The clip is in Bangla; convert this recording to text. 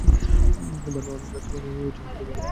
ভানু, আমরা তোমাকে কিছু বলতে চাই।